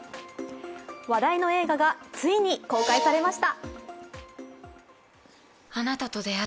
話題の映画がついに公開されました。